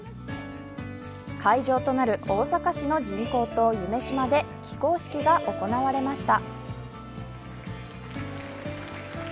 会場となる大阪市の人工島夢洲で起工式が行われました。